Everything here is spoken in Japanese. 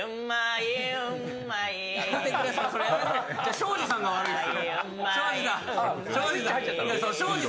庄司さんが悪いです。